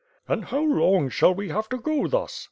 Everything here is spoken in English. "And how long shall we have to go thus?"